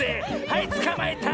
はいつかまえた！